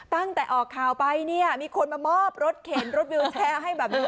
ตั้งแต่ออกข่าวไปเนี่ยมีคนมามอบรถเข็นรถวิวแชร์ให้แบบนี้